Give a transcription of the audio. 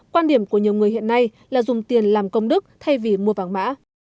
quan điểm của nhiều người hiện nay là dùng tiền làm công đức thay vì mua vàng mã